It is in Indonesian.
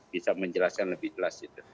bisa menjelaskan lebih jelas